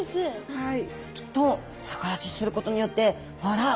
はい。